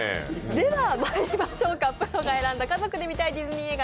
ではまいりましょうプロが選んだ家族で見たいティズニー映画